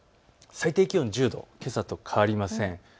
最低気温１０度、けさと変わりません。